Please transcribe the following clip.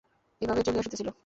এই ভাবেই চলিয়া আসিতেছিল।